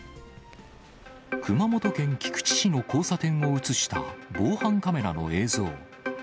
熊本県菊池市の交差点を写した防犯カメラの映像。